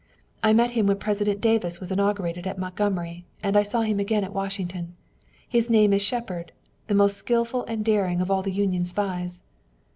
"I met him when President Davis was inaugurated at Montgomery and I saw him again at Washington. His name is Shepard, the most skillful and daring of all the Union spies."